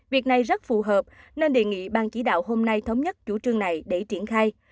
việc này rất phù hợp nên đề nghị ban chỉ đạo hôm nay thống nhất chủ trương này để triển khai